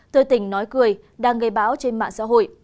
tươi tỉnh nói cười đang gây báo trên mạng xã hội